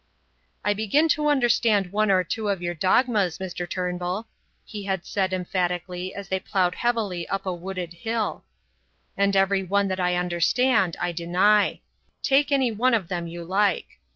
"I begin to understand one or two of your dogmas, Mr. Turnbull," he had said emphatically as they ploughed heavily up a wooded hill. "And every one that I understand I deny. Take any one of them you like.